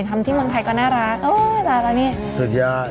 ทำที่เมืองไทยก็น่ารักเออตายแล้วนี่สุดยอด